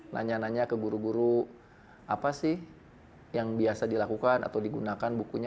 nanya nanya ke guru guru apa sih yang biasa dilakukan atau digunakan bukunya